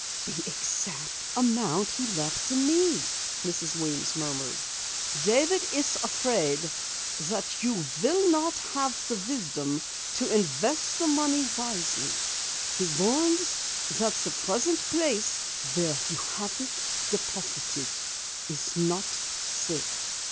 "The exact amount he left to me!" Mrs. Weems murmured. "David is afraid that you will not have the wisdom to invest the money wisely. He warns you that the present place where you have it deposited is not safe.